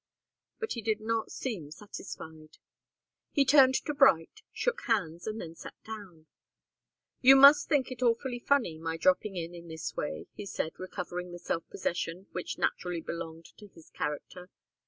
But he did not seem satisfied. He turned to Bright, shook hands, and then sat down. "You must think it awfully funny my dropping in, in this way," he said, recovering the self possession which naturally belonged to his character.